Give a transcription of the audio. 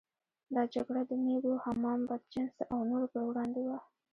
دا جګړه د مېږو، حمام بدجنسه او نورو پر وړاندې وه.